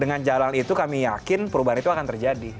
dengan jalan itu kami yakin perubahan itu akan terjadi